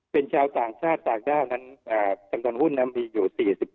เป็นชาวต่างชาติต่างด้านจำนวนมีอยู่๔๙